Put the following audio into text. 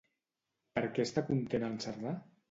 Per què està content en Cerdà?